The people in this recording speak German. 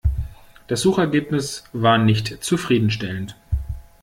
Das Suchergebnis war nicht zufriedenstellend.